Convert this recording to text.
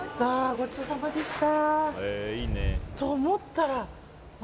ごちそうさまでした。